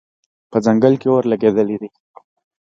په ځنګل کې اور لګېدلی دی